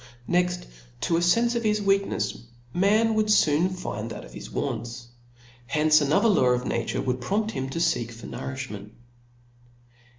Next to a fenfe of hi$ weaknefs man would foon find that of his wants. Hence another law of na ture would prompt him to feek for nouriftiment.